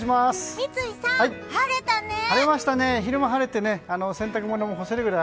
三井さん、晴れたね。